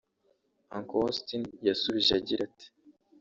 Uncle Austin yasubije agira ati